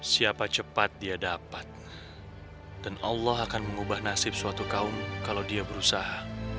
siapa cepat dia dapat dan allah akan mengubah nasib suatu kaum kalau dia berusaha